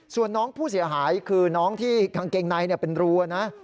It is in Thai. ส่วนน้องผู้เสียหายคือน้องที่กางเกงในเป็นรูนะ